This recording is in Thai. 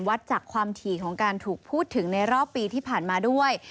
วัดจากความถี่ของการถูกพูดถึงในรอบปีที่ผ่านมาด้วย